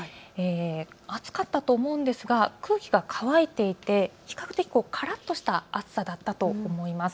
暑かったと思うんですが空気が乾いていて比較的、からっとした暑さだったと思います。